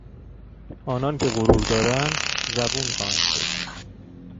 آنان که غرور دارند زبون خواهند شد.